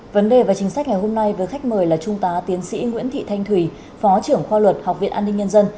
vấn đề và chính sách ngày hôm nay với khách mời là trung tá tiến sĩ nguyễn thị thanh thùy phó trưởng khoa luật học viện an ninh nhân dân